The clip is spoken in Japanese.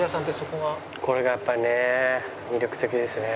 これがやっぱりね魅力的ですね。